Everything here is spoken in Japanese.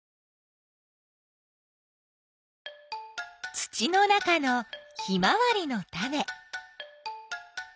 土の中のヒマワリのタネ。